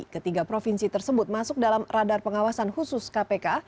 ketiga provinsi tersebut masuk dalam radar pengawasan khusus kpk